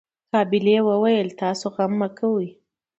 قابلې وويل تاسو غم مه کوئ.